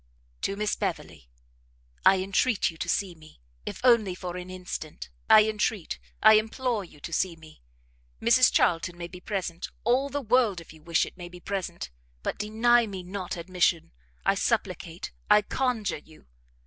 To Miss Beverley. I entreat you to see me! if only for an instant, I entreat, I implore you to see me! Mrs Charlton may be present, all the world, if you wish it, may be present, but deny me not admission, I supplicate, I conjure you!